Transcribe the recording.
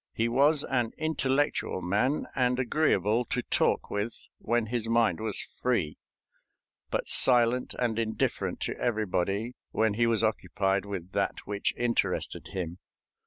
He was an intellectual man, and agreeable to talk with when his mind was free, but silent and indifferent to everybody when he was occupied with that which interested him.